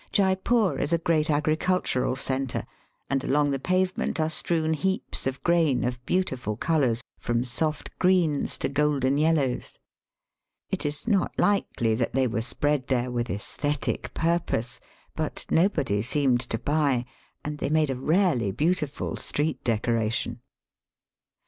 Jeypore is a great agricultural centre, and along the pavement are strewn heaps of grain of beautiful colours, from soft greens to golden yellows. It is not likely that they were spread there with aesthetic purpose ; but nobody seemed to buy, and they made a rarely beautiful street decoration.